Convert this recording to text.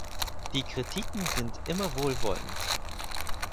Die Kritiken sind immer wohlwollend.